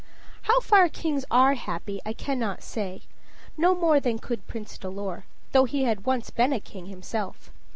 How far kings are happy I cannot say, no more than could Prince Dolor, though he had once been a king himself.